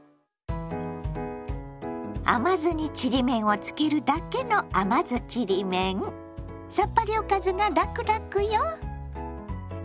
甘酢にちりめんをつけるだけのさっぱりおかずがラクラクよ。